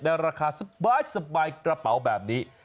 ราคาสบายกระเป๋าแบบนี้